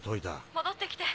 戻って来て。